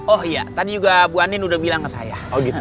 oh iya tadi juga bu anin udah bilang ke saya